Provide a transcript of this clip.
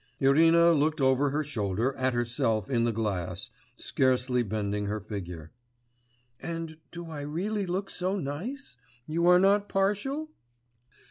Irina looked over her shoulder at herself in the glass, scarcely bending her figure. 'And do I really look so nice? You are not partial?